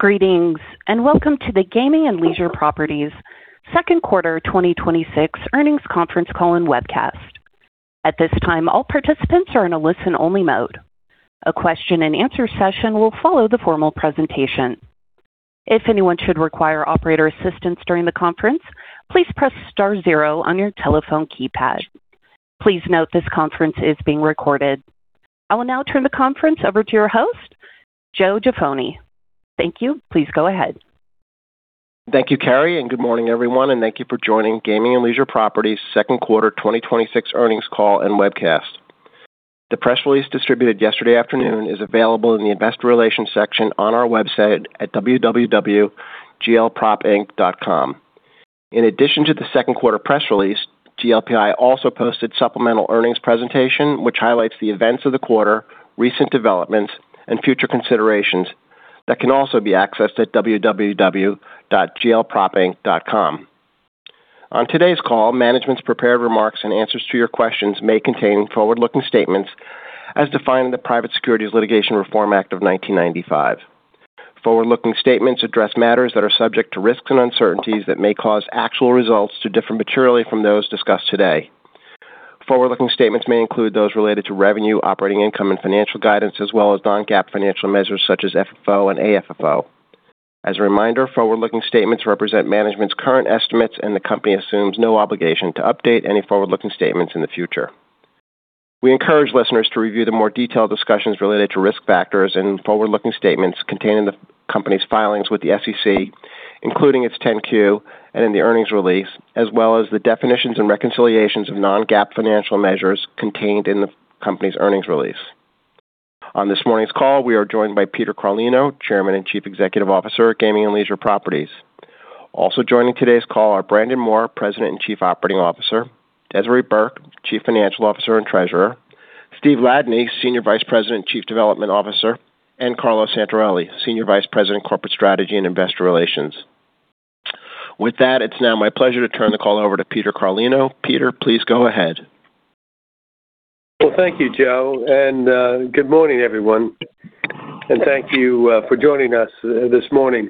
Greetings. Welcome to the Gaming and Leisure Properties second quarter 2026 earnings conference call and webcast. At this time, all participants are in a listen-only mode. A question-and-answer session will follow the formal presentation. If anyone should require operator assistance during the conference, please press star zero on your telephone keypad. Please note this conference is being recorded. I will now turn the conference over to your host, Joe Jaffoni. Thank you. Please go ahead. Thank you, Carrie. Good morning, everyone. Thank you for joining Gaming and Leisure Properties second quarter 2026 earnings call and webcast. The press release distributed yesterday afternoon is available in the investor relations section on our website at www.glpropinc.com. In addition to the second quarter press release, GLPI also posted supplemental earnings presentation which highlights the events of the quarter, recent developments, and future considerations that can also be accessed at www.glpropinc.com. On today's call, management's prepared remarks and answers to your questions may contain forward-looking statements as defined in the Private Securities Litigation Reform Act of 1995. Forward-looking statements address matters that are subject to risks and uncertainties that may cause actual results to differ materially from those discussed today. Forward-looking statements may include those related to revenue, operating income, and financial guidance, as well as non-GAAP financial measures such as FFO and AFFO. As a reminder, forward-looking statements represent management's current estimates. The company assumes no obligation to update any forward-looking statements in the future. We encourage listeners to review the more detailed discussions related to risk factors and forward-looking statements contained in the company's filings with the SEC, including its 10-Q and in the earnings release, as well as the definitions and reconciliations of non-GAAP financial measures contained in the company's earnings release. On this morning's call, we are joined by Peter Carlino, Chairman and Chief Executive Officer at Gaming and Leisure Properties. Also joining today's call are Brandon Moore, President and Chief Operating Officer, Desiree Burke, Chief Financial Officer and Treasurer, Steve Ladany, Senior Vice President and Chief Development Officer, and Carlo Santarelli, Senior Vice President, Corporate Strategy and Investor Relations. With that, it's now my pleasure to turn the call over to Peter Carlino. Peter, please go ahead. Thank you, Joe. Good morning, everyone. Thank you for joining us this morning.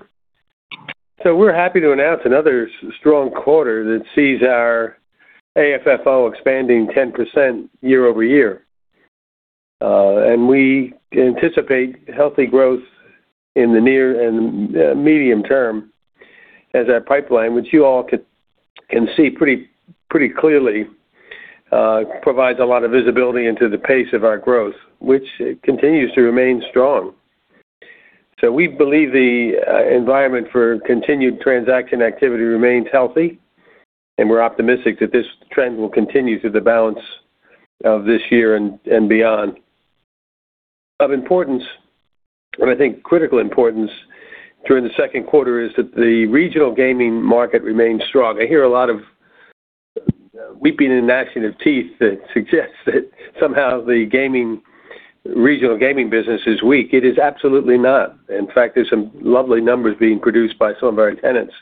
We're happy to announce another strong quarter that sees our AFFO expanding 10% year-over-year. We anticipate healthy growth in the near and medium term as our pipeline, which you all can see pretty clearly, provides a lot of visibility into the pace of our growth, which continues to remain strong. We believe the environment for continued transaction activity remains healthy, and we're optimistic that this trend will continue through the balance of this year and beyond. Of importance, and I think critical importance, during the second quarter is that the regional gaming market remains strong. I hear a lot of weeping and gnashing of teeth that suggests that somehow the regional gaming business is weak. It is absolutely not. In fact, there's some lovely numbers being produced by some of our tenants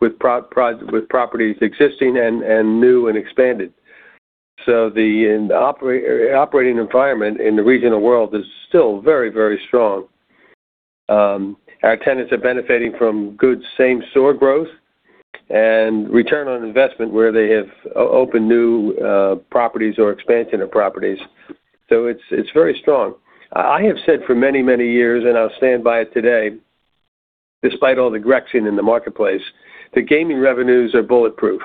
with properties existing and new and expanding. The operating environment in the regional world is still very, very strong. Our tenants are benefiting from good same store growth and return on investment where they have opened new properties or expansion of properties. It's very strong. I have said for many, many years, and I'll stand by it today, despite all the [fretting] in the marketplace, that gaming revenues are bulletproof.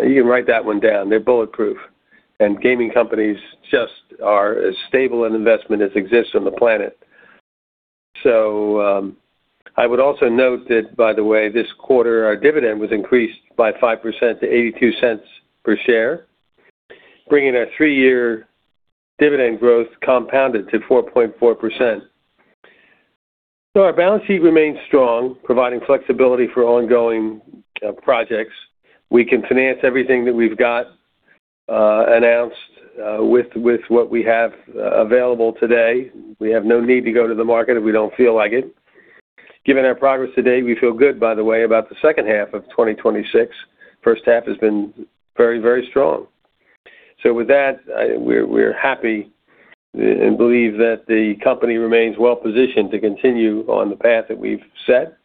You can write that one down. They're bulletproof. Gaming companies just are as stable an investment as exists on the planet. I would also note that, by the way, this quarter, our dividend was increased by 5% to $0.82 per share, bringing our three-year dividend growth compounded to 4.4%. Our balance sheet remains strong, providing flexibility for ongoing projects. We can finance everything that we've got announced with what we have available today. We have no need to go to the market if we don't feel like it. Given our progress to date, we feel good, by the way, about the second half of 2026. First half has been very, very strong. With that, we're happy and believe that the company remains well-positioned to continue on the path that we've set.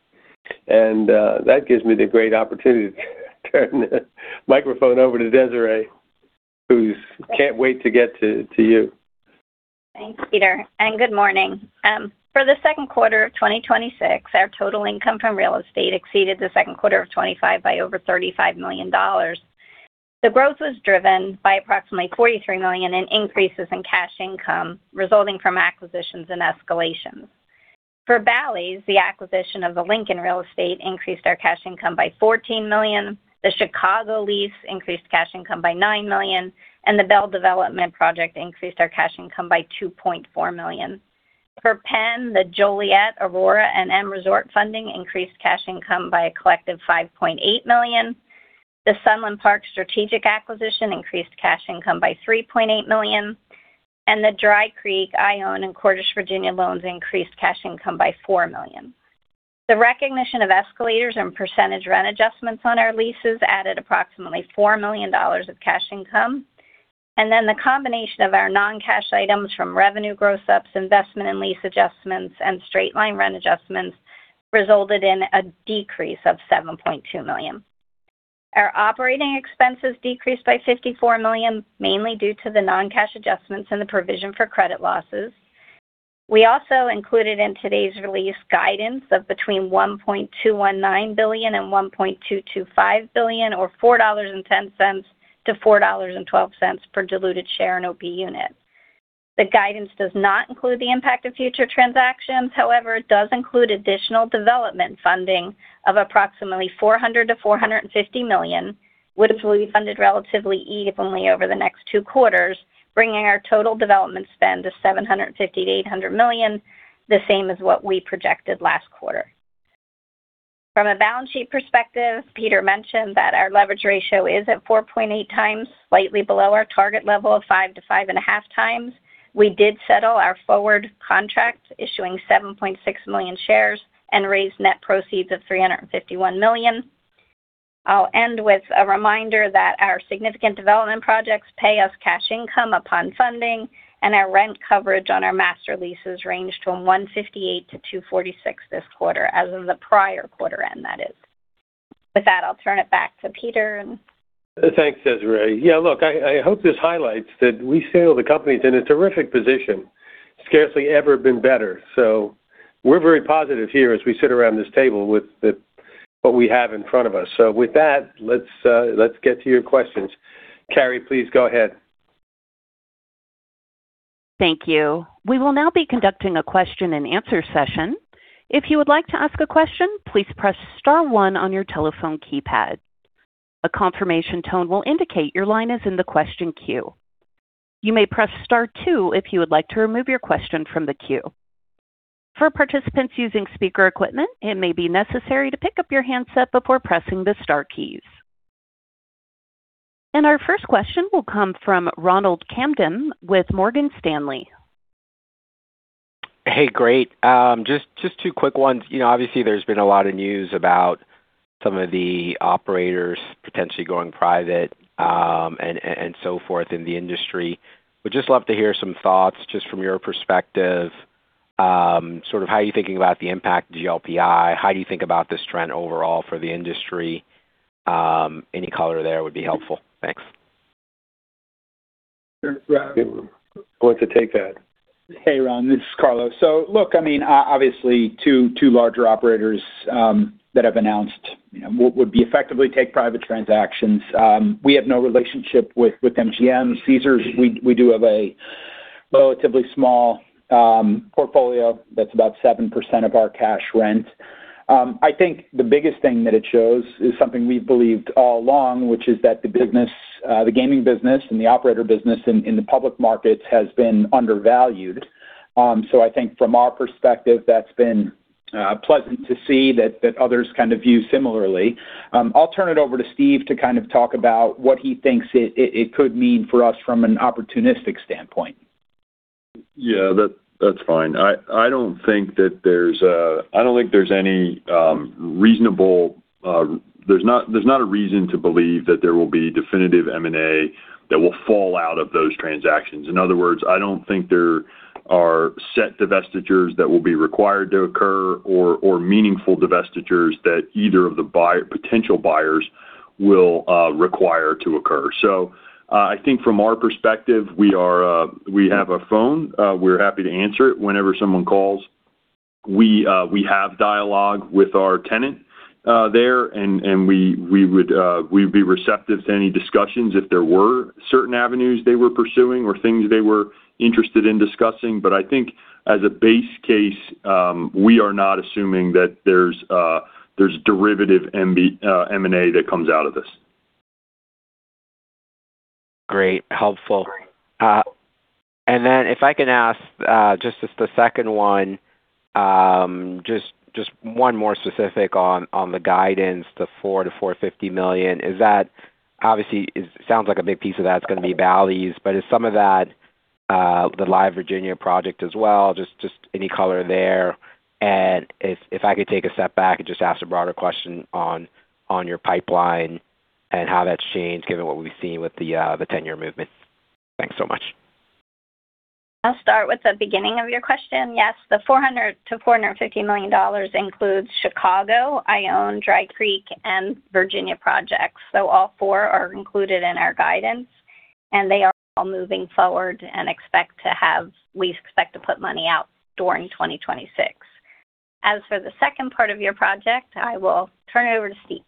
That gives me the great opportunity to turn the microphone over to Desiree, who can't wait to get to you. Thanks, Peter, and good morning. For the second quarter of 2026, our total income from real estate exceeded the second quarter of 2025 by over $35 million. The growth was driven by approximately $43 million in increases in cash income resulting from acquisitions and escalations. For Bally's, the acquisition of the Lincoln real estate increased our cash income by $14 million, the Chicago lease increased cash income by $9 million, and the Belle development project increased our cash income by $2.4 million. For PENN, the Joliet, Aurora, and M Resort funding increased cash income by a collective $5.8 million. The Sunland Park strategic acquisition increased cash income by $3.8 million, and the Dry Creek, Ione, and Cordish Virginia loans increased cash income by $4 million. The recognition of escalators and percentage rent adjustments on our leases added approximately $4 million of cash income. The combination of our non-cash items from revenue gross-ups, investment and lease adjustments, and straight-line rent adjustments resulted in a decrease of $7.2 million. Our operating expenses decreased by $54 million, mainly due to the non-cash adjustments and the provision for credit losses. We also included in today's release guidance of between $1.219 billion and $1.225 billion, or $4.10-$4.12 per diluted share and OP unit. The guidance does not include the impact of future transactions. However, it does include additional development funding of approximately $400 million-$450 million, which will be funded relatively evenly over the next two quarters, bringing our total development spend to $750 million-$800 million, the same as what we projected last quarter. From a balance sheet perspective, Peter mentioned that our leverage ratio is at 4.8x, slightly below our target level of 5x and 5.5x We did settle our forward contract, issuing 7.6 million shares, and raised net proceeds of $351 million. I'll end with a reminder that our significant development projects pay us cash income upon funding, and our rent coverage on our master leases ranged from 1.58x-2.46x this quarter, as of the prior quarter end, that is. With that, I'll turn it back to Peter. Thanks, Desiree. Look, I hope this highlights that we feel the company's in a terrific position. Scarcely ever been better. We're very positive here as we sit around this table with what we have in front of us. With that, let's get to your questions. Carrie, please go ahead. Thank you. We will now be conducting a question-and-answer session. If you would like to ask a question, please press star one on your telephone keypad. A confirmation tone will indicate your line is in the question queue. You may press star two if you would like to remove your question from the queue. For participants using speaker equipment, it may be necessary to pick up your handset before pressing the star keys. Our first question will come from Ronald Kamdem with Morgan Stanley. Hey, great. Just two quick ones. Obviously, there's been a lot of news about some of the operators potentially going private, and so forth in the industry. Would just love to hear some thoughts just from your perspective, how are you thinking about the impact to GLPI? How do you think about this trend overall for the industry? Any color there would be helpful. Thanks. Sure. Who wants to take that? Ron, this is Carlo. Look, obviously, two larger operators that have announced what would be effectively take private transactions. We have no relationship with MGM. Caesars, we do have a relatively small portfolio that's about 7% of our cash rent. I think the biggest thing that it shows is something we've believed all along, which is that the gaming business and the operator business in the public markets has been undervalued. I think from our perspective, that's been pleasant to see that others kind of view similarly. I'll turn it over to Steve to kind of talk about what he thinks it could mean for us from an opportunistic standpoint. Yeah, that's fine. I don't think there's not a reason to believe that there will be definitive M&A that will fall out of those transactions. In other words, I don't think there are set divestitures that will be required to occur or meaningful divestitures that either of the potential buyers will require to occur. I think from our perspective, we have a phone. We're happy to answer it whenever someone calls. We have dialogue with our tenant there, and we'd be receptive to any discussions if there were certain avenues they were pursuing or things they were interested in discussing. I think as a base case, we are not assuming that there's derivative M&A that comes out of this. Great. Helpful. If I can ask, just as the second one, just one more specific on the guidance, the $400 million-$450 million. Obviously, it sounds like a big piece of that's going to be Bally's, but is some of that the Live! Virginia project as well? Just any color there. If I could take a step back and just ask a broader question on your pipeline and how that's changed given what we've seen with the 10-year movement. Thanks so much. I'll start with the beginning of your question. Yes, the $400 million-$450 million includes Chicago, Ione Dry Creek and Virginia projects. All four are included in our guidance. They are all moving forward and we expect to put money out during 2026. As for the second part of your project, I will turn it over to Steve.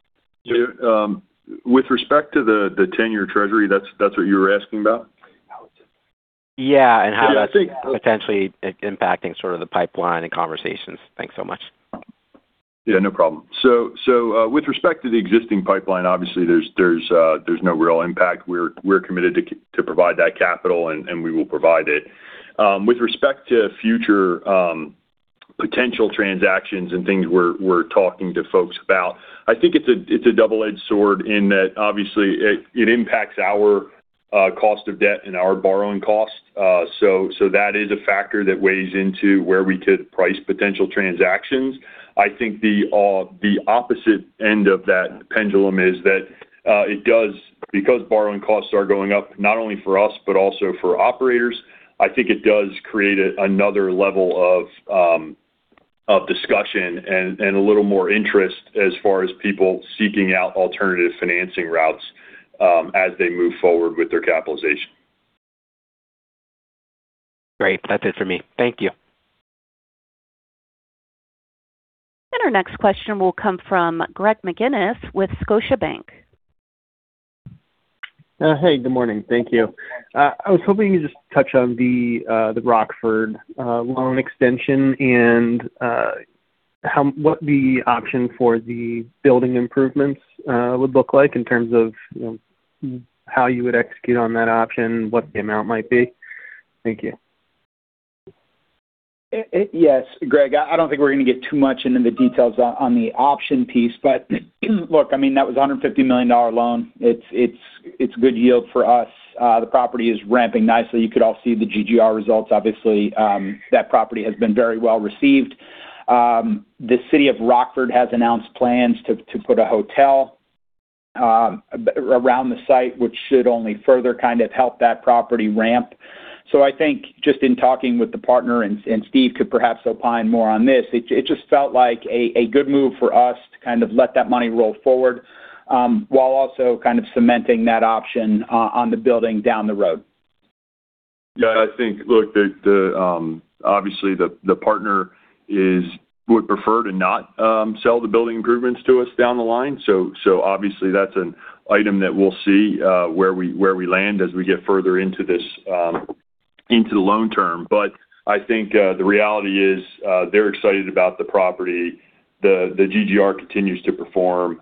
With respect to the 10-year Treasury, that's what you were asking about? Yeah. I think You are asking- How that's potentially impacting sort of the pipeline and conversations. Thanks so much. Yeah, no problem. With respect to the existing pipeline, obviously, there's no real impact. We're committed to provide that capital, and we will provide it. With respect to future potential transactions and things we're talking to folks about, I think it's a double-edged sword in that obviously it impacts our cost of debt and our borrowing costs. That is a factor that weighs into where we could price potential transactions. I think the opposite end of that pendulum is that because borrowing costs are going up, not only for us but also for operators, I think it does create another level of discussion and a little more interest as far as people seeking out alternative financing routes as they move forward with their capitalization. Great. That's it for me. Thank you. Our next question will come from Greg McGinniss with Scotiabank. Hey, good morning. Thank you. I was hoping you could just touch on the Rockford loan extension and what the option for the building improvements would look like in terms of how you would execute on that option, what the amount might be. Thank you. Yes, Greg, I don't think we're going to get too much into the details on the option piece. Look, that was a $150 million loan. It's good yield for us. The property is ramping nicely. You could all see the GGR results. Obviously, that property has been very well-received. The city of Rockford has announced plans to put a hotel around the site, which should only further help that property ramp. I think just in talking with the partner, and Steve could perhaps opine more on this, it just felt like a good move for us to kind of let that money roll forward, while also kind of cementing that option on the building down the road. Yeah, I think, obviously, the partner would prefer to not sell the building improvements to us down the line. Obviously, that's an item that we'll see where we land as we get further into the loan term. I think the reality is they're excited about the property. The GGR continues to perform.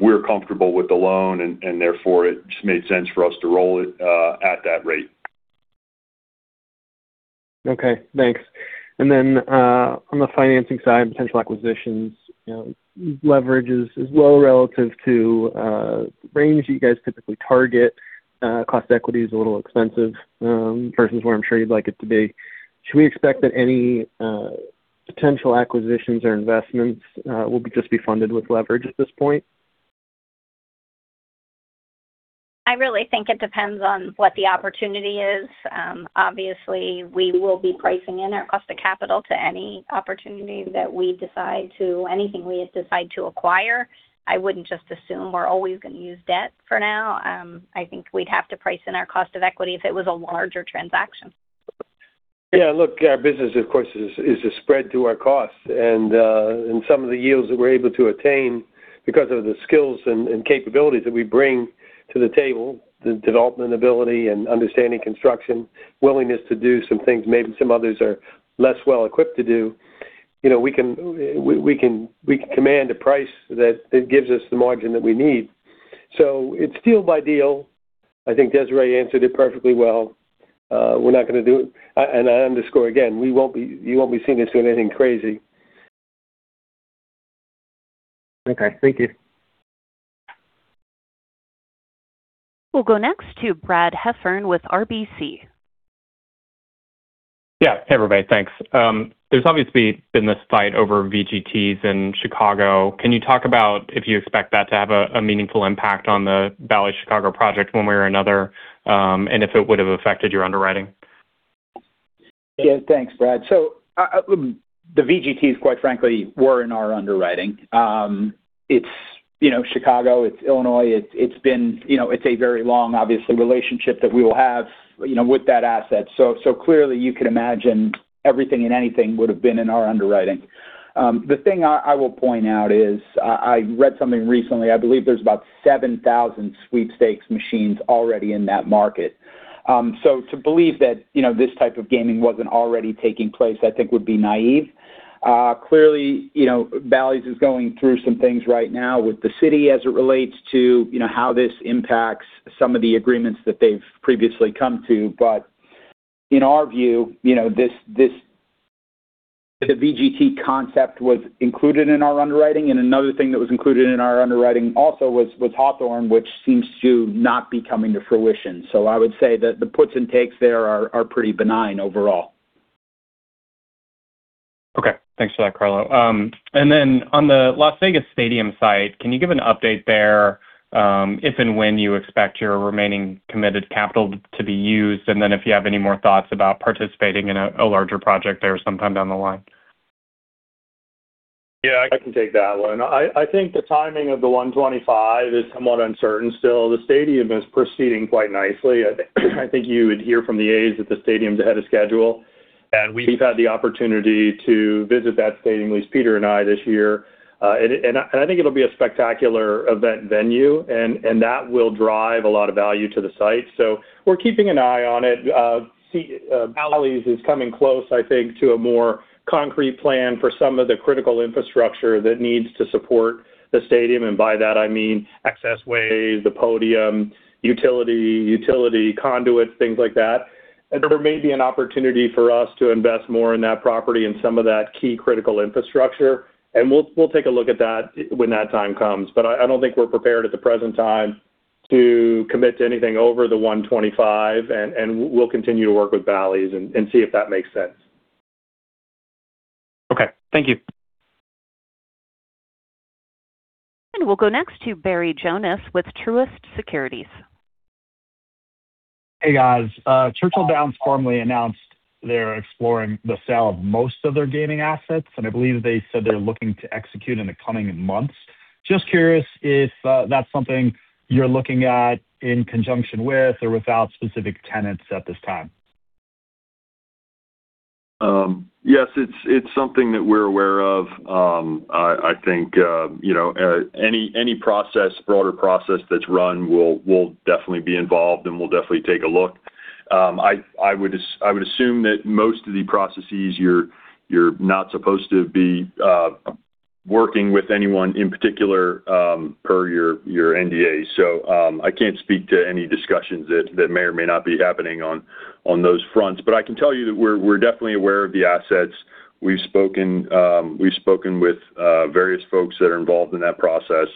We're comfortable with the loan. Therefore, it just made sense for us to roll it at that rate. Okay, thanks. Then, on the financing side and potential acquisitions, leverage is low relative to the range you guys typically target. Cost of equity is a little expensive versus where I'm sure you'd like it to be. Should we expect that any potential acquisitions or investments will just be funded with leverage at this point? I really think it depends on what the opportunity is. Obviously, we will be pricing in our cost of capital to any opportunity anything we decide to acquire. I wouldn't just assume we're always going to use debt for now. I think we'd have to price in our cost of equity if it was a larger transaction. Look, our business, of course, is a spread to our costs. Some of the yields that we're able to attain, because of the skills and capabilities that we bring to the table, the development ability and understanding construction, willingness to do some things maybe some others are less well equipped to do. We can command a price that gives us the margin that we need. It's deal by deal. I think Desiree answered it perfectly well. I underscore again, you won't be seeing us doing anything crazy. Okay. Thank you. We'll go next to Brad Heffern with RBC. Hey, everybody. Thanks. There's obviously been this fight over VGTs in Chicago. Can you talk about if you expect that to have a meaningful impact on the Bally's Chicago project one way or another? If it would have affected your underwriting. Yeah. Thanks, Brad. The VGTs, quite frankly, were in our underwriting. It's Chicago, it's Illinois. It's a very long, obviously, relationship that we will have with that asset. Clearly, you could imagine everything and anything would have been in our underwriting. The thing I will point out is I read something recently. I believe there's about 7,000 sweepstakes machines already in that market. To believe that this type of gaming wasn't already taking place, I think would be naive. Clearly, Bally's is going through some things right now with the city as it relates to how this impacts some of the agreements that they've previously come to. In our view, the VGT concept was included in our underwriting. Another thing that was included in our underwriting also was Hawthorne, which seems to not be coming to fruition. I would say that the puts and takes there are pretty benign overall. Okay. Thanks for that, Carlo. On the Las Vegas stadium site, can you give an update there if and when you expect your remaining committed capital to be used? If you have any more thoughts about participating in a larger project there sometime down the line. Yeah, I can take that one. I think the timing of the $125 million is somewhat uncertain still. The stadium is proceeding quite nicely. I think you would hear from the A's that the stadium's ahead of schedule. We've had the opportunity to visit that stadium, at least Peter and I this year. I think it'll be a spectacular event venue, and that will drive a lot of value to the site. We're keeping an eye on it. Bally's is coming close, I think, to a more concrete plan for some of the critical infrastructure that needs to support the stadium. By that, I mean access ways, the podium, utility conduits, things like that. There may be an opportunity for us to invest more in that property and some of that key critical infrastructure. We'll take a look at that when that time comes. I don't think we're prepared at the present time to commit to anything over the $125 million, and we'll continue to work with Bally's and see if that makes sense. Okay. Thank you. We'll go next to Barry Jonas with Truist Securities. Hey, guys. Churchill Downs formally announced they're exploring the sale of most of their gaming assets, and I believe they said they're looking to execute in the coming months. Just curious if that's something you're looking at in conjunction with or without specific tenants at this time. Yes, it's something that we're aware of. I think any broader process that's run, we'll definitely be involved, and we'll definitely take a look. I would assume that most of the processes, you're not supposed to be working with anyone in particular, per your NDA. I can't speak to any discussions that may or may not be happening on those fronts. I can tell you that we're definitely aware of the assets. We've spoken with various folks that are involved in that process.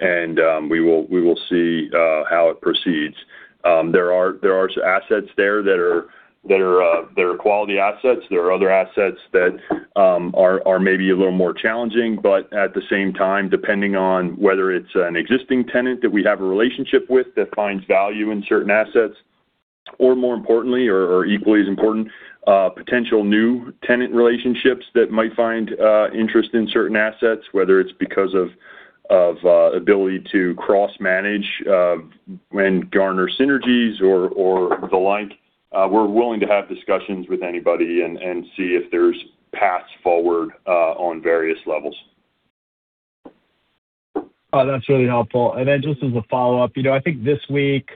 We will see how it proceeds. There are assets there that are quality assets. There are other assets that are maybe a little more challenging, but at the same time, depending on whether it's an existing tenant that we have a relationship with that finds value in certain assets, or more importantly or equally as important, potential new tenant relationships that might find interest in certain assets, whether it's because of ability to cross-manage and garner synergies or the like. We're willing to have discussions with anybody and see if there's paths forward on various levels. That's really helpful. Just as a follow-up, I think this week,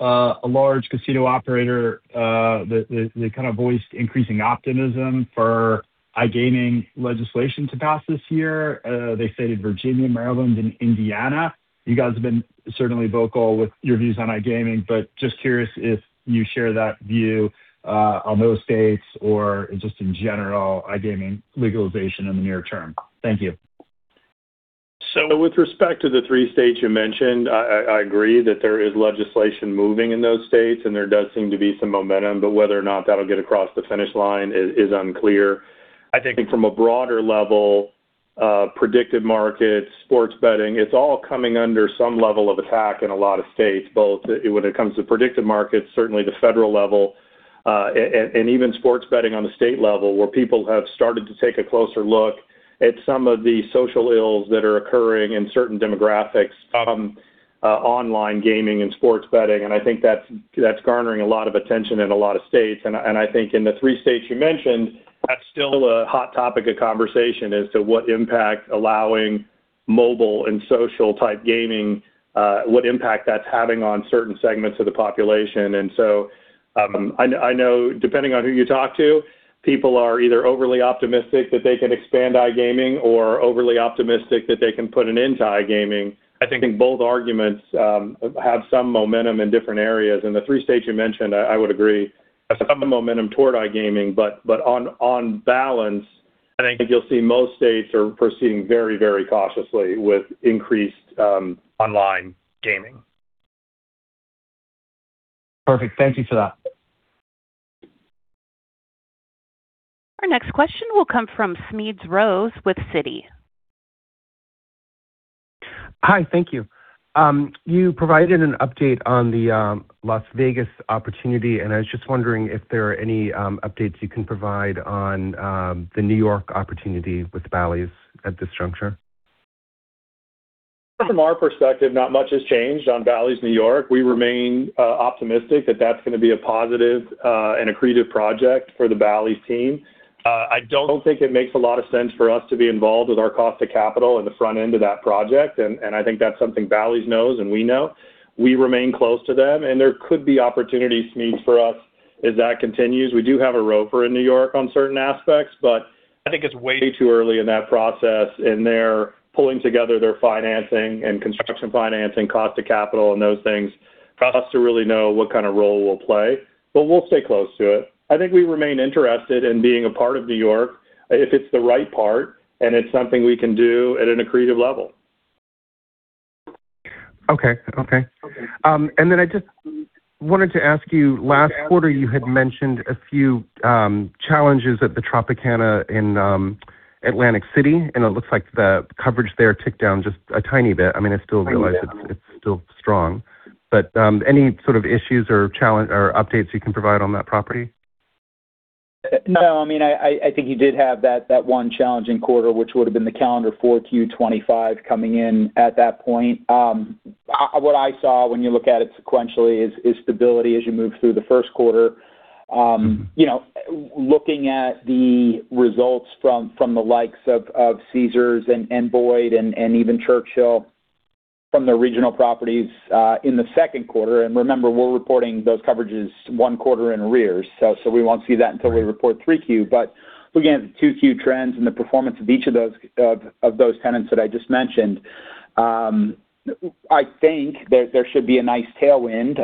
a large casino operator, they kind of voiced increasing optimism for iGaming legislation to pass this year. They cited Virginia, Maryland, and Indiana. You guys have been certainly vocal with your views on iGaming, but just curious if you share that view on those states or just in general iGaming legalization in the near term. Thank you. With respect to the three states you mentioned, I agree that there is legislation moving in those states, and there does seem to be some momentum, but whether or not that'll get across the finish line is unclear. I think from a broader level, predictive markets, sports betting, it's all coming under some level of attack in a lot of states, both when it comes to predictive markets, certainly the federal level, and even sports betting on the state level, where people have started to take a closer look at some of the social ills that are occurring in certain demographics from online gaming and sports betting. I think that's garnering a lot of attention in a lot of states. I think in the three states you mentioned, that's still a hot topic of conversation as to what impact allowing mobile and social type gaming, what impact that's having on certain segments of the population. I know depending on who you talk to, people are either overly optimistic that they can expand iGaming or overly optimistic that they can put an end to iGaming. I think both arguments have some momentum in different areas. In the three states you mentioned, I would agree, some momentum toward iGaming, but on balance, I think you'll see most states are proceeding very cautiously with increased online gaming. Perfect. Thank you for that. Our next question will come from Smedes Rose with Citi. Hi. Thank you. You provided an update on the Las Vegas opportunity, and I was just wondering if there are any updates you can provide on the New York opportunity with Bally's at this juncture. From our perspective, not much has changed on Bally's New York. We remain optimistic that that's going to be a positive and accretive project for the Bally's team. I don't think it makes a lot of sense for us to be involved with our cost of capital in the front end of that project, and I think that's something Bally's knows and we know. We remain close to them, and there could be opportunities, Smedes, for us as that continues. We do have a ROFR in New York on certain aspects, but I think it's way too early in that process, and they're pulling together their financing and construction financing, cost of capital and those things for us to really know what kind of role we'll play. We'll stay close to it. I think we remain interested in being a part of New York if it's the right part and it's something we can do at an accretive level. Okay. I just wanted to ask you, last quarter, you had mentioned a few challenges at the Tropicana in Atlantic City, and it looks like the coverage there ticked down just a tiny bit. I realize it's still strong, but any sort of issues or updates you can provide on that property? No. I think you did have that one challenging quarter, which would've been the calendar 4Q 2025 coming in at that point. What I saw when you look at it sequentially is stability as you move through the first quarter. Looking at the results from the likes of Caesars and Boyd and even Churchill from their regional properties, in the second quarter, and remember, we're reporting those coverages one quarter in arrears, so we won't see that until we report 3Q. Looking at the 2Q trends and the performance of each of those tenants that I just mentioned I think that there should be nice tailwind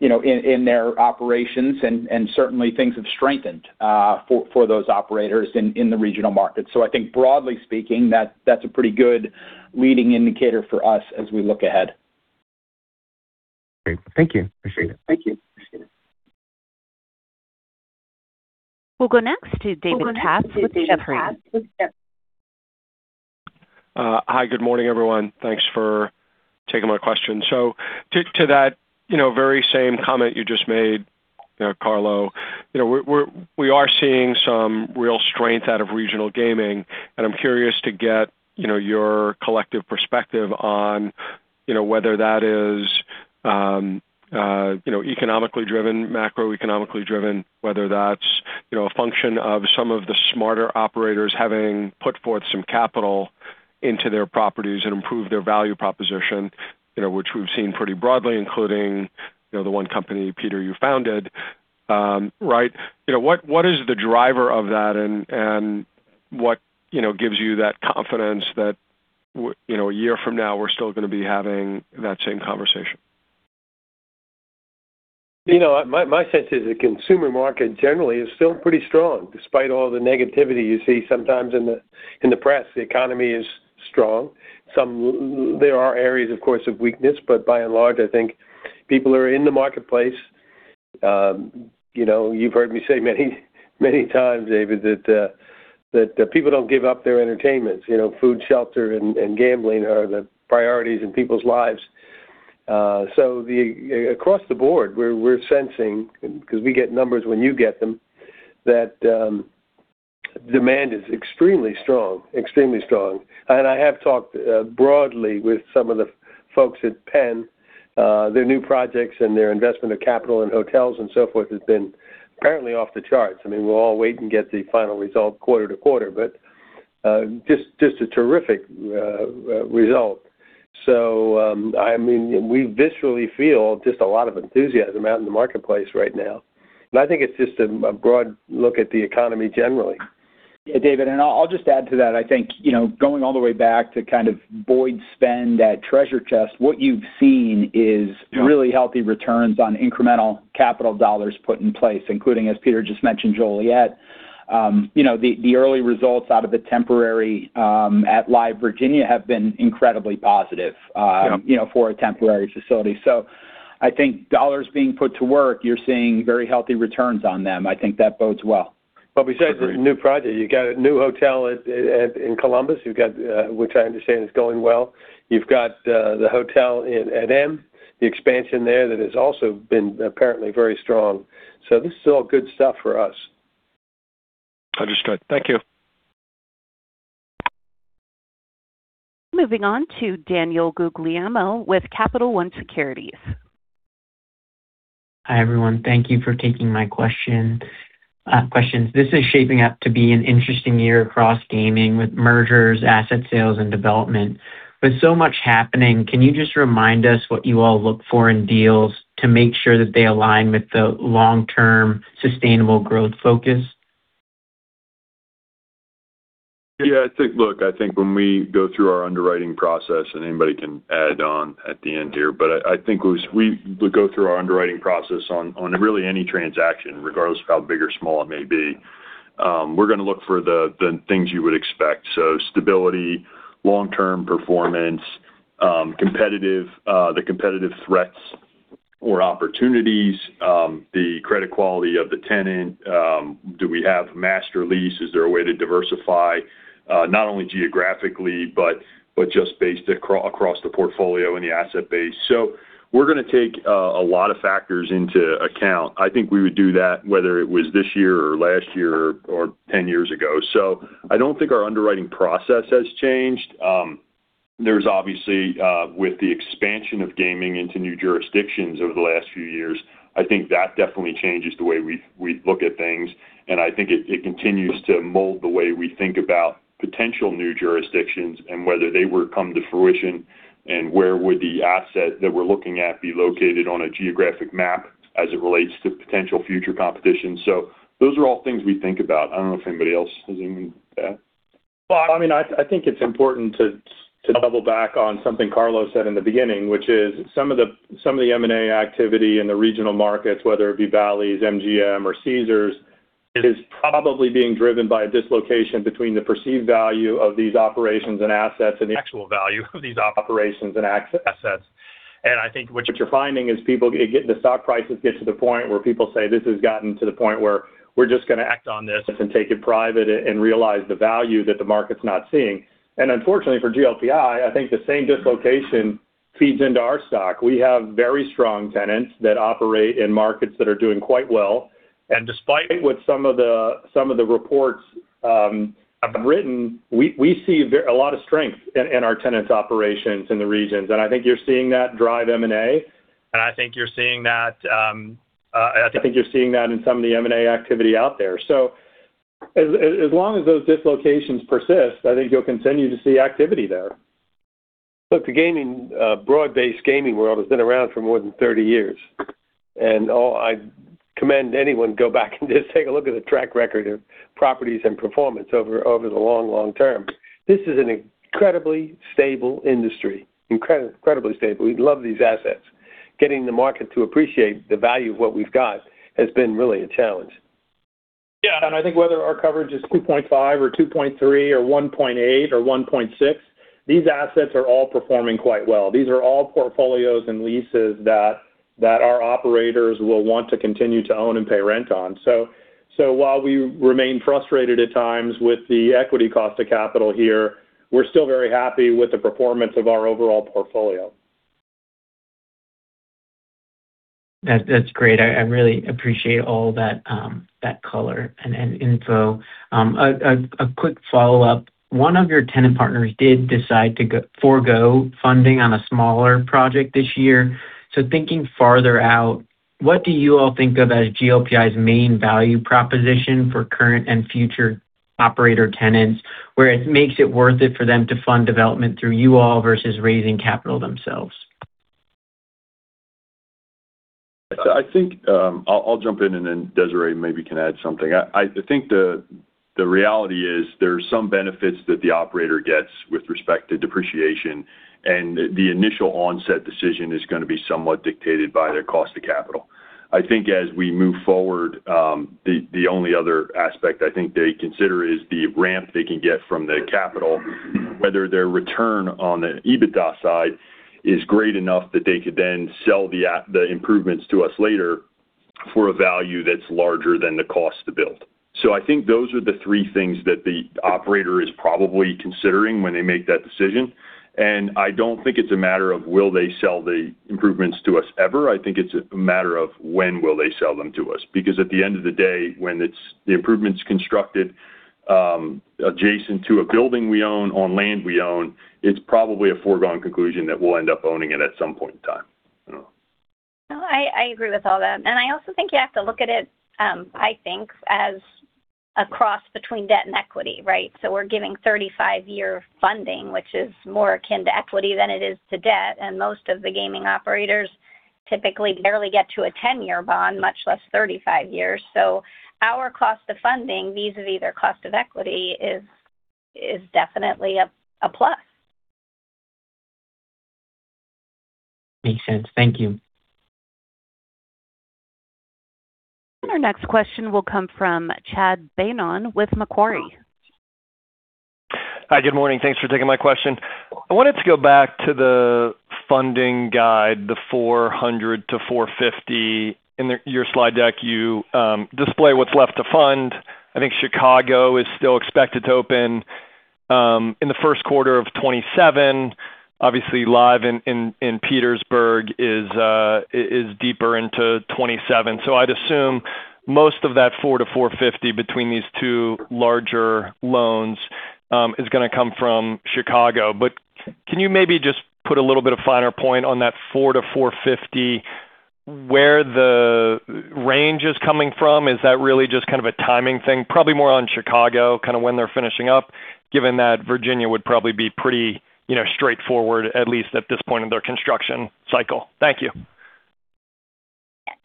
in their operations and certainly things have strengthened for those operators in the regional markets. I think broadly speaking, that's a pretty good leading indicator for us as we look ahead. Great. Thank you. Appreciate it. We'll go next to David Katz with Jefferies. Hi. Good morning, everyone. Thanks for taking my question. To that very same comment you just made, Carlo, we are seeing some real strength out of regional gaming, and I'm curious to get your collective perspective on whether that is economically driven, macroeconomically driven, whether that's a function of some of the smarter operators having put forth some capital into their properties and improved their value proposition, which we've seen pretty broadly, including the one company, Peter, you founded. Right. What is the driver of that, and what gives you that confidence that a year from now, we're still going to be having that same conversation? My sense is the consumer market generally is still pretty strong, despite all the negativity you see sometimes in the press. The economy is strong. There are areas, of course, of weakness, but by and large, I think people are in the marketplace. You've heard me say many times, David, that people don't give up their entertainments. Food, shelter, and gambling are the priorities in people's lives. Across the board, we're sensing, because we get numbers when you get them, that demand is extremely strong. I have talked broadly with some of the folks at PENN. Their new projects and their investment of capital in hotels and so forth has been apparently off the charts. I mean, we'll all wait and get the final result quarter-to-quarter, but just a terrific result. We viscerally feel just a lot of enthusiasm out in the marketplace right now, I think it's just a broad look at the economy generally. David, I'll just add to that. I think, going all the way back to kind of Boyd's spend at Treasure Chest, what you've seen is really healthy returns on incremental capital dollars put in place, including, as Peter just mentioned, Joliet. The early results out of the temporary, at Live! Virginia, have been incredibly positive. Yeah. For a temporary facility. I think dollars being put to work, you're seeing very healthy returns on them. I think that bodes well. Besides the new project, you got a new hotel in Columbus, which I understand is going well. You've got the hotel at M, the expansion there that has also been apparently very strong. This is all good stuff for us. Understood. Thank you. Moving on to Daniel Guglielmo with Capital One Securities. Hi, everyone. Thank you for taking my questions. This is shaping up to be an interesting year across gaming with mergers, asset sales, and development. With so much happening, can you just remind us what you all look for in deals to make sure that they align with the long-term sustainable growth focus? Yeah. Look, I think when we go through our underwriting process, anybody can add on at the end here, I think we go through our underwriting process on really any transaction, regardless of how big or small it may be. We're going to look for the things you would expect. Stability, long-term performance, the competitive threats or opportunities, the credit quality of the tenant. Do we have a master lease? Is there a way to diversify, not only geographically, but just based across the portfolio and the asset base? We're going to take a lot of factors into account. I think we would do that whether it was this year or last year or 10 years ago. I don't think our underwriting process has changed. There's obviously, with the expansion of gaming into new jurisdictions over the last few years, I think that definitely changes the way we look at things, it continues to mold the way we think about potential new jurisdictions and whether they would come to fruition and where would the asset that we're looking at be located on a geographic map as it relates to potential future competition. Those are all things we think about. I don't know if anybody else has anything to add. Well, I think it's important to double back on something Carlo said in the beginning, which is some of the M&A activity in the regional markets, whether it be Bally's, MGM, or Caesars, it is probably being driven by a dislocation between the perceived value of these operations and assets and the actual value of these operations and assets. I think what you're finding is the stock prices get to the point where people say, "This has gotten to the point where we're just going to act on this and take it private and realize the value that the market's not seeing." Unfortunately for GLPI, I think the same dislocation feeds into our stock. We have very strong tenants that operate in markets that are doing quite well. Despite what some of the reports have been written, we see a lot of strength in our tenants' operations in the regions. I think you're seeing that drive M&A, and I think you're seeing that in some of the M&A activity out there. As long as those dislocations persist, I think you'll continue to see activity there. Look, the broad-based gaming world has been around for more than 30 years. I commend anyone, go back and just take a look at the track record of properties and performance over the long, long term. This is an incredibly stable industry. Incredibly stable. We love these assets. Getting the market to appreciate the value of what we've got has been really a challenge. Whether our coverage is 2.5x or 2.3x or 1.8x or 1.6x, these assets are all performing quite well. These are all portfolios and leases that our operators will want to continue to own and pay rent on. While we remain frustrated at times with the equity cost of capital here, we're still very happy with the performance of our overall portfolio. That's great. I really appreciate all that color and info. A quick follow-up. One of your tenant partners did decide to forgo funding on a smaller project this year. Thinking farther out, what do you all think of as GLPI's main value proposition for current and future operator tenants, where it makes it worth it for them to fund development through you all versus raising capital themselves? I'll jump in and then Desiree maybe can add something. The reality is there are some benefits that the operator gets with respect to depreciation, the initial onset decision is going to be somewhat dictated by their cost of capital. As we move forward, the only other aspect I think they consider is the ramp they can get from the capital, whether their return on the EBITDA side is great enough that they could then sell the improvements to us later for a value that's larger than the cost to build. Those are the three things that the operator is probably considering when they make that decision. I don't think it's a matter of will they sell the improvements to us ever. I think it's a matter of when will they sell them to us, because at the end of the day, when the improvement's constructed adjacent to a building we own on land we own, it's probably a foregone conclusion that we'll end up owning it at some point in time. No, I agree with all that. I also think you have to look at it, I think, as a cross between debt and equity, right? We're giving 35-year funding, which is more akin to equity than it is to debt. Most of the gaming operators typically barely get to a 10-year bond, much less 35 years. Our cost of funding, vis-a-vis their cost of equity, is definitely a plus. Makes sense. Thank you. Our next question will come from Chad Beynon with Macquarie. Hi, good morning. Thanks for taking my question. I wanted to go back to the funding guide, the $400 million-$450 million. In your slide deck, you display what's left to fund. I think Bally's Chicago is still expected to open in the first quarter of 2027. Obviously, Live! in Petersburg is deeper into 2027. I'd assume most of that $400 million-$450 million between these two larger loans is going to come from Bally's Chicago. Can you maybe just put a little bit of finer point on that $400 million-$450 million, where the range is coming from? Is that really just kind of a timing thing? Probably more on Bally's Chicago, kind of when they're finishing up, given that Virginia would probably be pretty straightforward, at least at this point in their construction cycle. Thank you.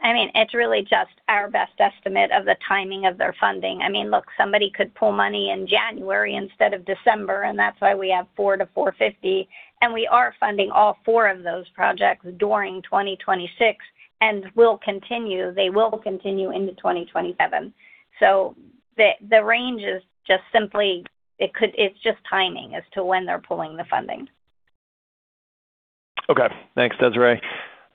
It's really just our best estimate of the timing of their funding. Look, somebody could pull money in January instead of December, and that's why we have $400 million-$450 million. We are funding all four of those projects during 2026, and they will continue into 2027. The range is just simply, it's just timing as to when they're pulling the funding. Okay. Thanks, Desiree.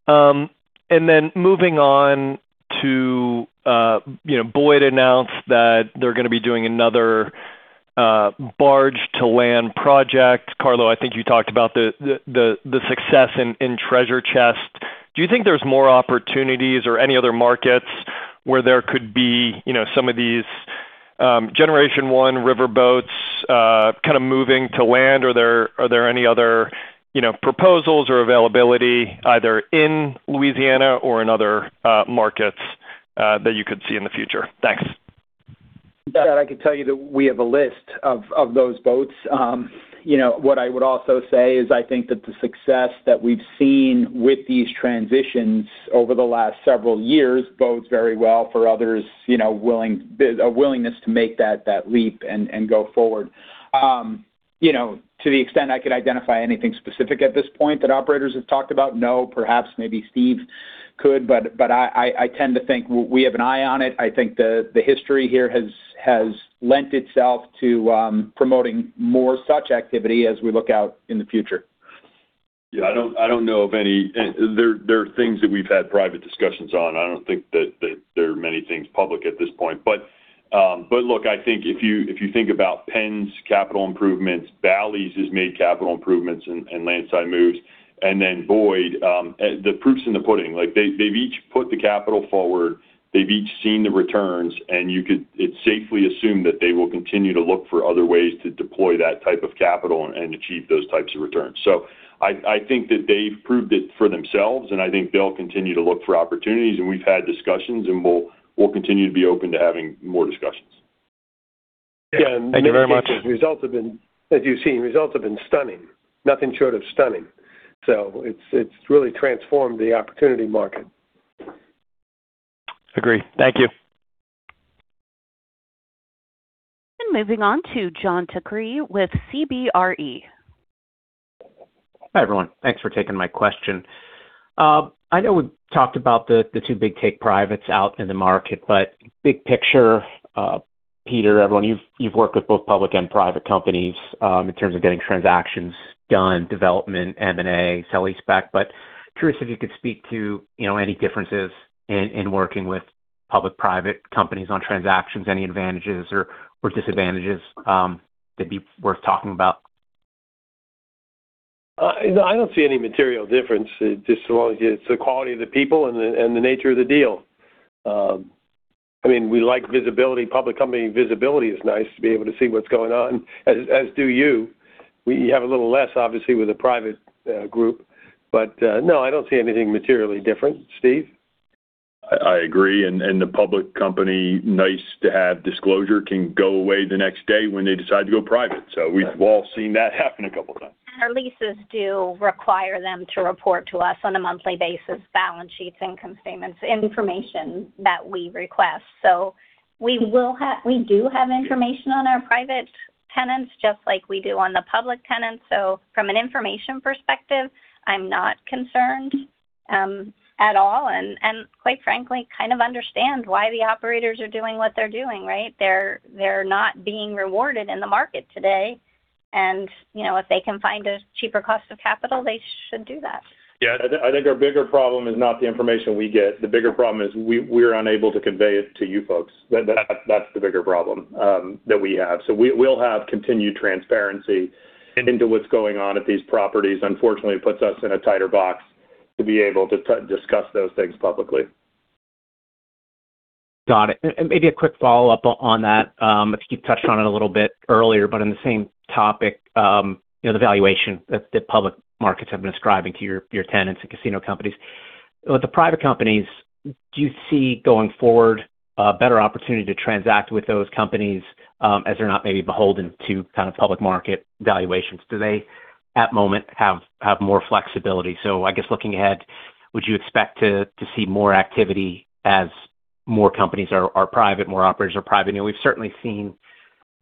Moving on to Boyd announced that they're going to be doing another barge to land project. Carlo, I think you talked about the success in Treasure Chest. Do you think there's more opportunities or any other markets where there could be some of these generation one riverboats kind of moving to land? Are there any other proposals or availability either in [Louisiana] or in other markets that you could see in the future? Thanks. Chad, I can tell you that we have a list of those boats. What I would also say is I think that the success that we've seen with these transitions over the last several years bodes very well for others, a willingness to make that leap and go forward. To the extent I could identify anything specific at this point that operators have talked about, no. Perhaps maybe Steve could, but I tend to think we have an eye on it. I think the history here has lent itself to promoting more such activity as we look out in the future. There are things that we've had private discussions on. I don't think that there are many things public at this point. Look, I think if you think about PENN's capital improvements, Bally's has made capital improvements and landside moves. Boyd, the proof's in the pudding. They've each put the capital forward, they've each seen the returns. You could safely assume that they will continue to look for other ways to deploy that type of capital and achieve those types of returns. I think that they've proved it for themselves, and I think they'll continue to look for opportunities, and we've had discussions, and we'll continue to be open to having more discussions. Yeah. Thank you very much. Results have been, as you've seen, results have been stunning. Nothing short of stunning. It's really transformed the opportunity market. Agree. Thank you. Moving on to John DeCree with CBRE. Hi, everyone. Thanks for taking my question. We talked about the two big take privates out in the market, big picture, Peter, everyone, you've worked with both public and private companies, in terms of getting transactions done, development, M&A, sale-leaseback. Curious if you could speak to any differences in working with public-private companies on transactions, any advantages or disadvantages that'd be worth talking about? I don't see any material difference, just as long as it's the quality of the people and the nature of the deal. We like visibility. Public company visibility is nice to be able to see what's going on, as do you. We have a little less, obviously, with a private group. No, I don't see anything materially different. Steve? I agree, the public company, nice to have disclosure, can go away the next day when they decide to go private. We've all seen that happen a couple times. Our leases do require them to report to us on a monthly basis, balance sheets, income statements, information that we request. We do have information on our private tenants, just like we do on the public tenants. From an information perspective, I'm not concerned at all, and quite frankly, kind of understand why the operators are doing what they're doing, right? They're not being rewarded in the market today. If they can find a cheaper cost of capital, they should do that. I think our bigger problem is not the information we get. The bigger problem is we're unable to convey it to you folks. That's the bigger problem that we have. We'll have continued transparency into what's going on at these properties. Unfortunately, it puts us in a tighter box to be able to discuss those things publicly. Got it. Maybe a quick follow-up on that. You touched on it a little bit earlier, but in the same topic, the valuation that public markets have been ascribing to your tenants and casino companies. With the private companies, do you see, going forward, a better opportunity to transact with those companies, as they're not maybe beholden to public market valuations? Do they, at moment, have more flexibility? I guess looking ahead, would you expect to see more activity as more companies are private, more operators are private? We've certainly seen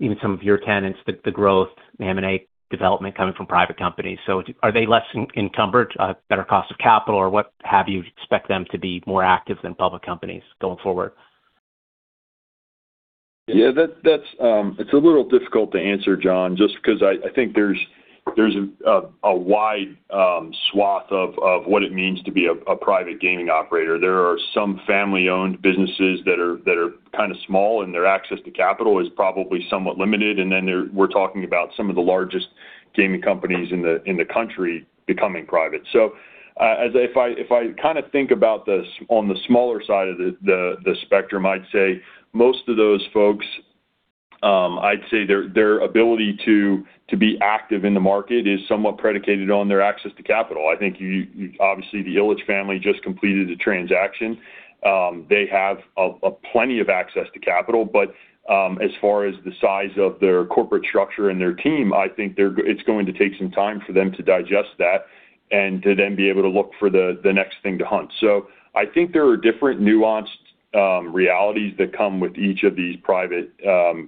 even some of your tenants, the growth, the M&A development coming from private companies. Are they less encumbered, better cost of capital, or what have you expect them to be more active than public companies going forward? It's a little difficult to answer, John, just because I think there's a wide swath of what it means to be a private gaming operator. There are some family-owned businesses that are kind of small, and their access to capital is probably somewhat limited. Then we're talking about some of the largest gaming companies in the country becoming private. If I kind of think about this on the smaller side of the spectrum, I'd say most of those folks, I'd say their ability to be active in the market is somewhat predicated on their access to capital. I think, obviously, the Ilitch family just completed a transaction. They have plenty of access to capital. As far as the size of their corporate structure and their team, I think it's going to take some time for them to digest that and to then be able to look for the next thing to hunt. I think there are different nuanced realities that come with each of these private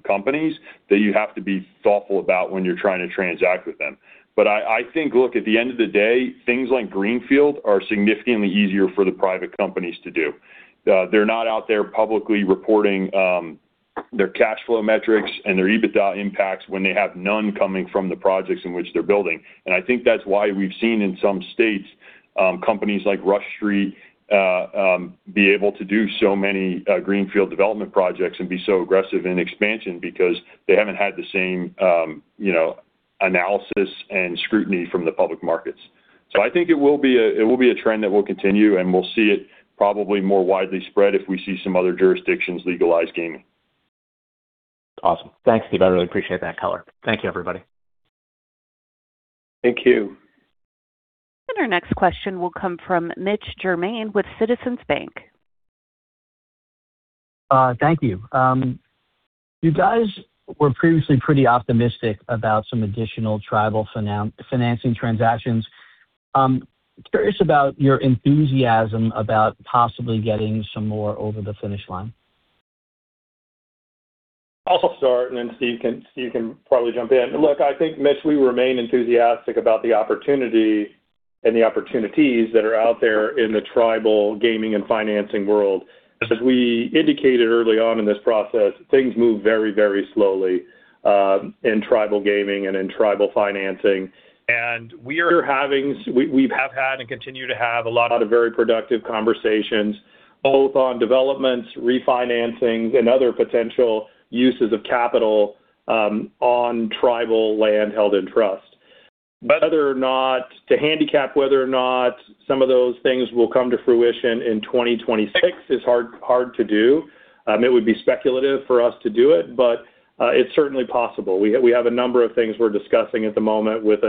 companies that you have to be thoughtful about when you're trying to transact with them. I think, look, at the end of the day, things like greenfield are significantly easier for the private companies to do. They're not out there publicly reporting their cash flow metrics and their EBITDA impacts when they have none coming from the projects in which they're building. I think that's why we've seen in some states, companies like Rush Street be able to do so many greenfield development projects and be so aggressive in expansion because they haven't had the same analysis and scrutiny from the public markets. I think it will be a trend that will continue, and we'll see it probably more widely spread if we see some other jurisdictions legalize gaming. Awesome. Thanks, Steve. I really appreciate that color. Thank you, everybody. Thank you. Our next question will come from Mitch Germain with Citizens Bank. Thank you. You guys were previously pretty optimistic about some additional tribal financing transactions. Curious about your enthusiasm about possibly getting some more over the finish line. I'll start, and then Steve can probably jump in. Look, I think, Mitch, we remain enthusiastic about the opportunity and the opportunities that are out there in the tribal gaming and financing world. As we indicated early on in this process, things move very, very slowly in tribal gaming and in tribal financing. We have had and continue to have a lot of very productive conversations, both on developments, refinancings, and other potential uses of capital on tribal land held in trust. To handicap whether or not some of those things will come to fruition in 2026 is hard to do. It would be speculative for us to do it, but it's certainly possible. We have a number of things we're discussing at the moment with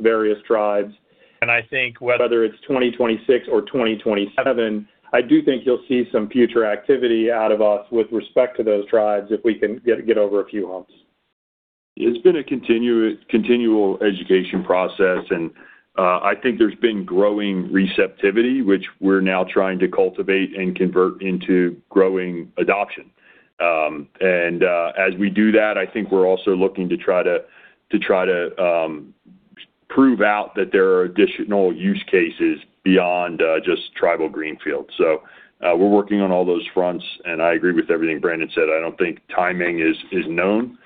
various tribes. I think whether it's 2026 or 2027, I do think you'll see some future activity out of us with respect to those tribes if we can get over a few humps. It's been a continual education process and I think there's been growing receptivity, which we're now trying to cultivate and convert into growing adoption. As we do that, I think we're also looking to try to prove out that there are additional use cases beyond just tribal greenfield. We're working on all those fronts, and I agree with everything Brandon said. I don't think timing is known,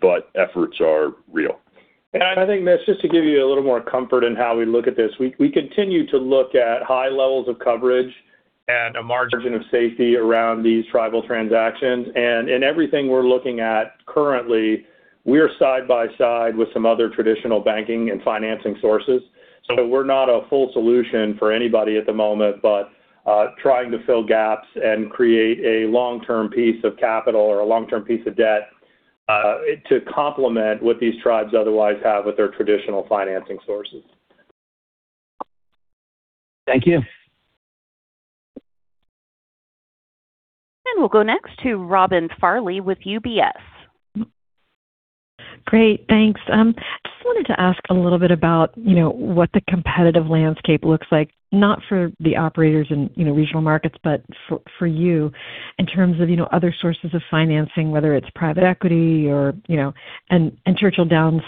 but efforts are real. I think, Mitch, just to give you a little more comfort in how we look at this, we continue to look at high levels of coverage and a margin of safety around these tribal transactions. In everything we're looking at currently, we're side by side with some other traditional banking and financing sources. We're not a full solution for anybody at the moment, but trying to fill gaps and create a long-term piece of capital or a long-term piece of debt to complement what these tribes otherwise have with their traditional financing sources. Thank you. We'll go next to Robin Farley with UBS. Great, thanks. Just wanted to ask a little bit about what the competitive landscape looks like, not for the operators in regional markets, but for you in terms of other sources of financing, whether it's private equity or Churchill Downs,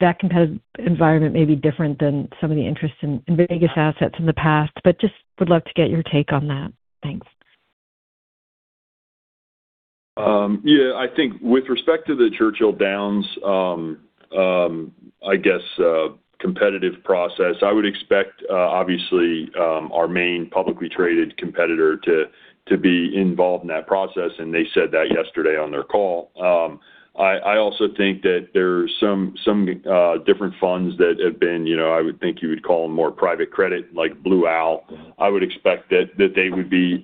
that competitive environment may be different than some of the interests in Vegas assets in the past, but just would love to get your take on that. Thanks. I think with respect to the Churchill Downs competitive process, I would expect obviously, our main publicly traded competitor to be involved in that process, and they said that yesterday on their call. I also think that there's some different funds that have been, I would think you would call them more private credit, like Blue Owl. I would expect that they would be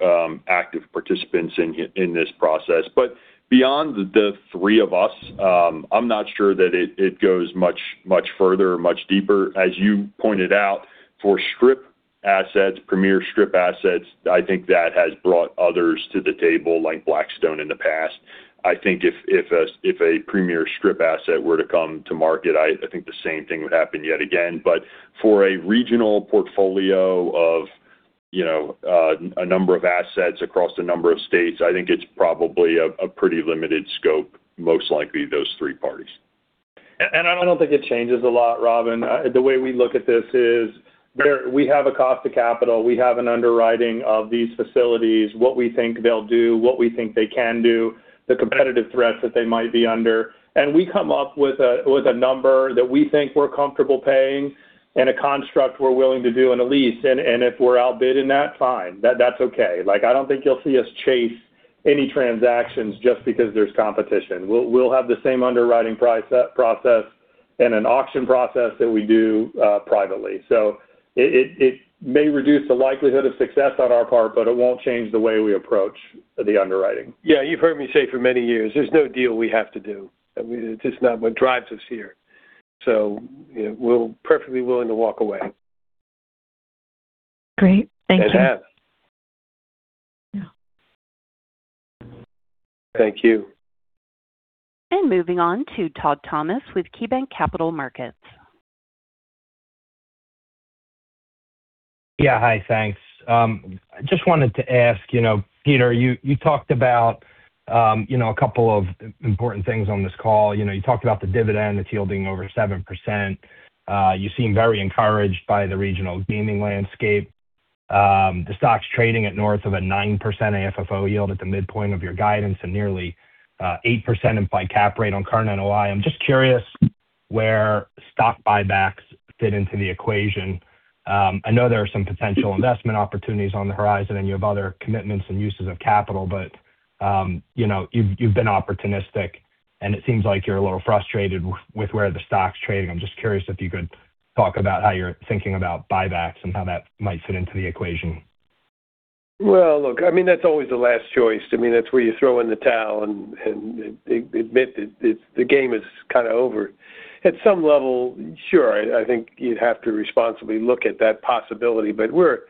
active participants in this process. Beyond the three of us, I'm not sure that it goes much further or much deeper. As you pointed out, for strip assets, premier strip assets, I think that has brought others to the table, like Blackstone in the past. I think if a premier strip asset were to come to market, I think the same thing would happen yet again. For a regional portfolio of a number of assets across a number of states, I think it's probably a pretty limited scope, most likely those three parties. I don't think it changes a lot, Robin. The way we look at this is we have a cost of capital, we have an underwriting of these facilities, what we think they'll do, what we think they can do, the competitive threats that they might be under. We come up with a number that we think we're comfortable paying and a construct we're willing to do in a lease. If we're outbid in that, fine. That's okay. I don't think you'll see us chase any transactions just because there's competition. We'll have the same underwriting process and an auction process that we do privately. It may reduce the likelihood of success on our part, but it won't change the way we approach the underwriting. Yeah, you've heard me say for many years, there's no deal we have to do. It's just not what drives us here. We're perfectly willing to walk away. Great, thank you. Have. Yeah. Thank you. Moving on to Todd Thomas with KeyBanc Capital Markets. Yeah, hi, thanks. Just wanted to ask, Peter, you talked about a couple of important things on this call. You talked about the dividend that's yielding over 7%. You seem very encouraged by the regional gaming landscape. The stock's trading at north of a 9% AFFO yield at the midpoint of your guidance, and nearly 8% implied cap rate on current NOI. I'm just curious where stock buybacks fit into the equation. I know there are some potential investment opportunities on the horizon, and you have other commitments and uses of capital, but you've been opportunistic, and it seems like you're a little frustrated with where the stock's trading. I'm just curious if you could talk about how you're thinking about buybacks and how that might fit into the equation. Well, look, that's always the last choice. That's where you throw in the towel and admit the game is kind of over. At some level, sure, I think you'd have to responsibly look at that possibility, but we're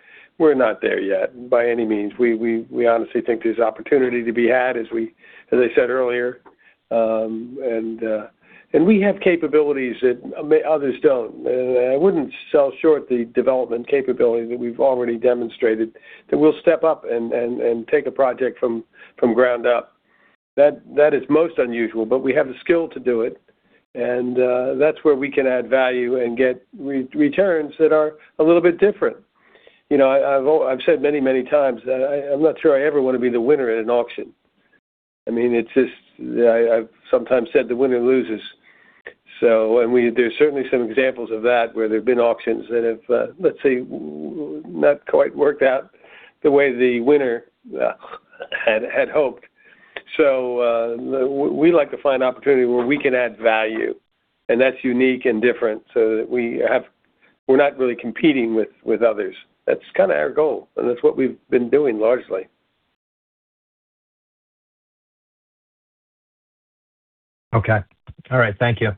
not there yet by any means. We honestly think there's opportunity to be had, as I said earlier. We have capabilities that others don't. I wouldn't sell short the development capabilities that we've already demonstrated, that we'll step up and take a project from ground up. That is most unusual, but we have the skill to do it, and that's where we can add value and get returns that are a little bit different. I've said many, many times that I'm not sure I ever want to be the winner in an auction. I've sometimes said the winner loses. There's certainly some examples of that, where there've been auctions that have, let's say, not quite worked out the way the winner had hoped. We like to find opportunity where we can add value, and that's unique and different so that we're not really competing with others. That's kind of our goal, and that's what we've been doing largely. Okay. All right. Thank you.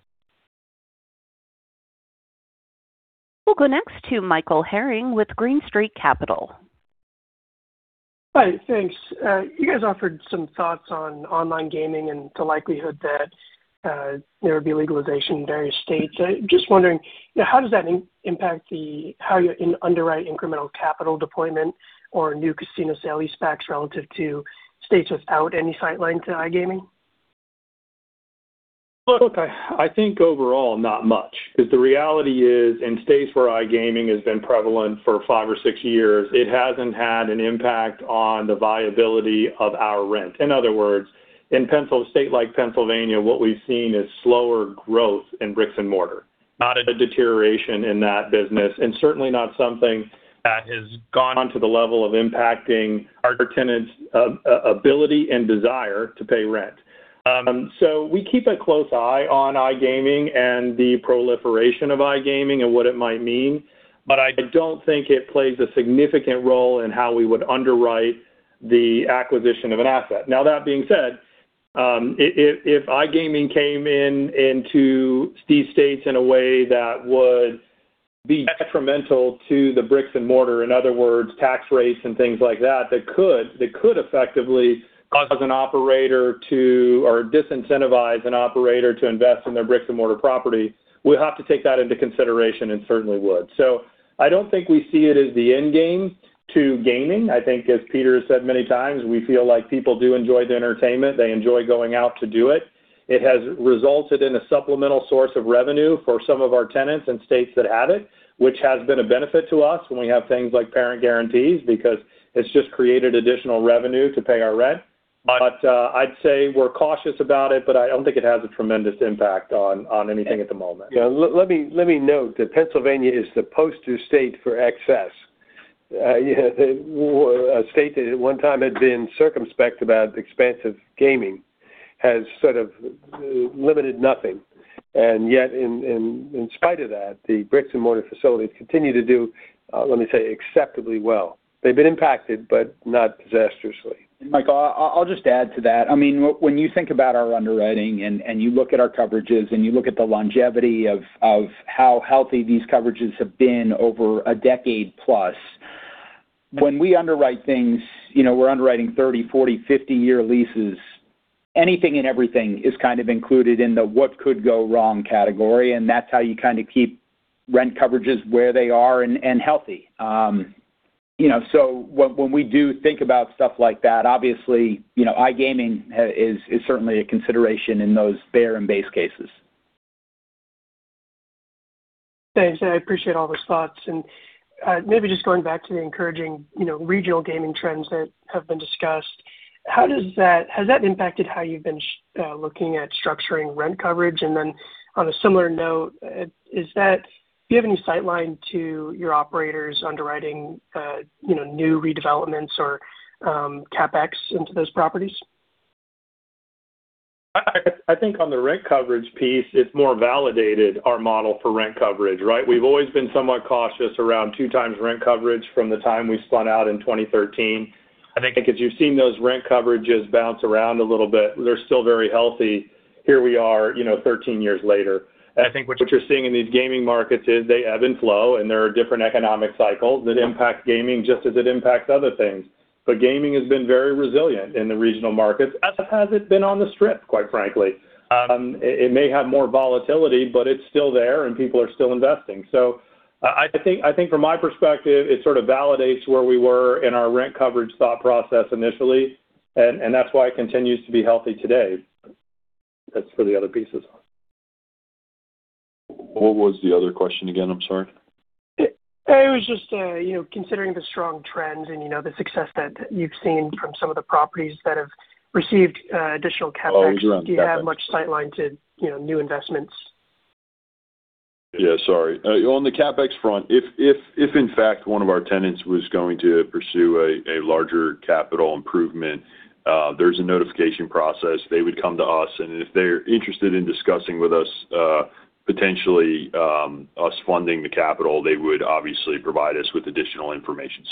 We'll go next to Michael Herring with Green Street Capital. Hi. Thanks. You guys offered some thoughts on online gaming and the likelihood that there would be legalization in various states. I'm just wondering, how does that impact how you underwrite incremental capital deployment or new casino sale-leasebacks relative to states without any sightline to iGaming? Look, I think overall, not much. The reality is, in states where iGaming has been prevalent for five or six years, it hasn't had an impact on the viability of our rent. In other words, in a state like Pennsylvania, what we've seen is slower growth in bricks and mortar, not a deterioration in that business, and certainly not something that has gone on to the level of impacting our tenants' ability and desire to pay rent. We keep a close eye on iGaming and the proliferation of iGaming and what it might mean, but I don't think it plays a significant role in how we would underwrite the acquisition of an asset. That being said, if iGaming came into these states in a way that would be detrimental to the bricks and mortar, in other words, tax rates and things like that could effectively disincentivize an operator to invest in their bricks and mortar property, we'll have to take that into consideration and certainly would. I don't think we see it as the end game to gaming. I think, as Peter has said many times, we feel like people do enjoy the entertainment. They enjoy going out to do it. It has resulted in a supplemental source of revenue for some of our tenants in states that have it, which has been a benefit to us when we have things like parent guarantees, because it's just created additional revenue to pay our rent. I'd say we're cautious about it, I don't think it has a tremendous impact on anything at the moment. Yeah. Let me note that Pennsylvania is the poster state for access. A state that at one time had been circumspect about expansive gaming has sort of limited nothing. Yet, in spite of that, the bricks and mortar facilities continue to do, let me say, acceptably well. They've been impacted, but not disastrously. Michael, I'll just add to that. When you think about our underwriting and you look at our coverages and you look at the longevity of how healthy these coverages have been over a decade plus, when we underwrite things, we're underwriting 30, 40, 50-year leases. Anything and everything is kind of included in the what could go wrong category, and that's how you kind of keep rent coverages where they are and healthy. When we do think about stuff like that, obviously, iGaming is certainly a consideration in those bear and base cases. Thanks. I appreciate all those thoughts. Maybe just going back to the encouraging regional gaming trends that have been discussed, has that impacted how you've been looking at structuring rent coverage? Then on a similar note, do you have any sightline to your operators underwriting new redevelopments or CapEx into those properties? I think on the rent coverage piece, it's more validated our model for rent coverage, right? We've always been somewhat cautious around two times rent coverage from the time we spun out in 2013. I think as you've seen those rent coverages bounce around a little bit, they're still very healthy. Here we are 13 years later. I think what you're seeing in these gaming markets is they ebb and flow, and there are different economic cycles that impact gaming just as it impacts other things. Gaming has been very resilient in the regional markets, as has it been on the Strip, quite frankly. It may have more volatility, but it's still there and people are still investing. I think from my perspective, it sort of validates where we were in our rent coverage thought process initially, and that's why it continues to be healthy today. That's for the other pieces. What was the other question again? I'm sorry. It was just considering the strong trends and the success that you've seen from some of the properties that have received additional CapEx. Oh, the CapEx. Do you have much sightline to new investments? Yeah, sorry. On the CapEx front, if in fact one of our tenants was going to pursue a larger capital improvement, there's a notification process. They would come to us, and if they're interested in discussing with us, potentially us funding the capital, they would obviously provide us with additional information.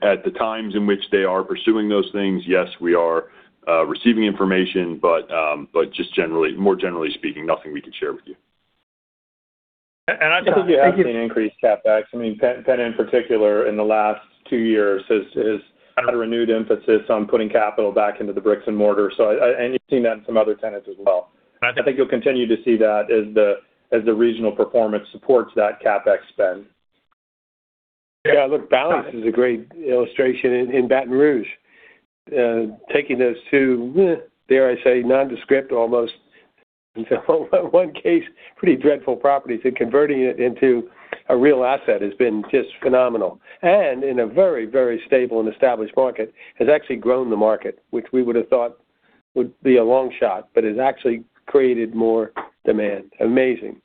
At the times in which they are pursuing those things, yes, we are receiving information, but just more generally speaking, nothing we can share with you. I think you have seen increased CapEx. PENN in particular, in the last two years, has had a renewed emphasis on putting capital back into the bricks and mortar. You've seen that in some other tenants as well. I think you'll continue to see that as the regional performance supports that CapEx spend. Yeah, look, Belle is a great illustration in Baton Rouge. Taking those two, dare I say, nondescript, almost, in one case, pretty dreadful properties and converting it into a real asset has been just phenomenal. In a very, very stable and established market, has actually grown the market, which we would have thought would be a long shot, but has actually created more demand. Amazing.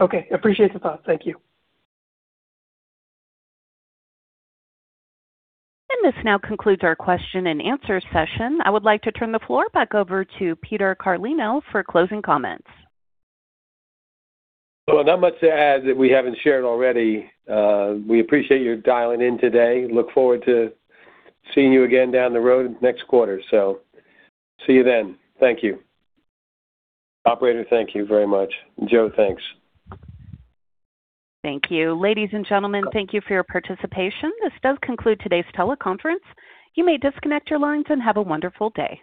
Okay. Appreciate the thought. Thank you. This now concludes our question-and-answer session. I would like to turn the floor back over to Peter Carlino for closing comments. Well, not much to add that we haven't shared already. We appreciate you dialing in today. Look forward to seeing you again down the road next quarter. See you then. Thank you. Operator, thank you very much. Joe, thanks. Thank you. Ladies and gentlemen, thank you for your participation. This does conclude today's teleconference. You may disconnect your lines, and have a wonderful day.